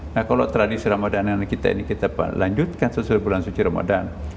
nah kalau tradisi ramadan kita ini kita lanjutkan sesuai bulan suci ramadan